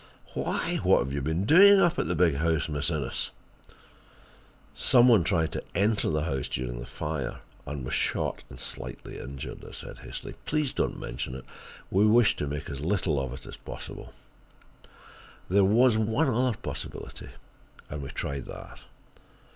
Why, what have you been doing up at the big house, Miss Innes?" "Some one tried to enter the house during the fire, and was shot and slightly injured," I said hastily. "Please don't mention it; we wish to make as little of it as possible." There was one other possibility, and we tried that.